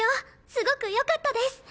すごく良かったです！